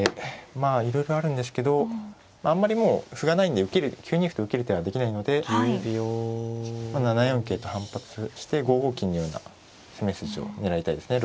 まあいろいろあるんですけどあんまりもう歩がないんで９二歩と受ける手はできないので７四桂と反発して５五金のような攻め筋を狙いたいですね。